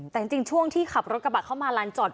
แต่จริงช่วงที่ขับรถกระบะเข้ามาลานจอด